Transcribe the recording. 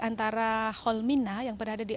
antara holmina yang berada di